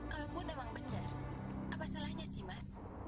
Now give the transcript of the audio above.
kalaupun namang bener apa salahnya sih mas